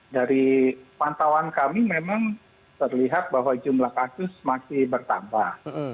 dari pantauan kami memang terlihat bahwa jumlah kasus masih bertambah